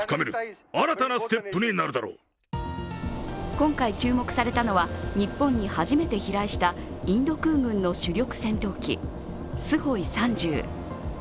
今回注目されたのは日本に初めて飛来したインド空軍の主力戦闘機スホイ３０。